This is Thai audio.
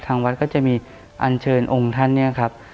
ทางวัดก็จะมีอันเชิญองค์ท่านเนี่ยครับ